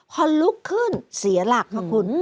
พอลุกขึ้นเสียหลักค่ะคุณ